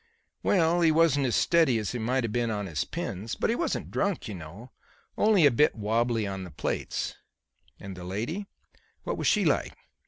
"Well, he wasn't as steady as he might have been on his pins. But he wasn't drunk, you know. Only a bit wobbly on the plates." "And the lady; what was she like?"